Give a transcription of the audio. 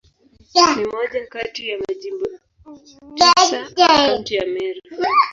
Ni moja kati ya Majimbo tisa ya Kaunti ya Meru.